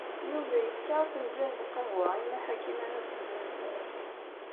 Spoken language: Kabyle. Yuba yefka afenǧal n lqahwa i Nna Ḥakima n At Zmenzer.